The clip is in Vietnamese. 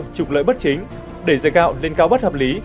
trục lợi bất chính để dây gạo lên cao bất hợp lý